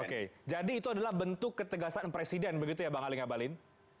oke jadi itu adalah bentuk ketegasan presiden begitu ya bang ali ngabalin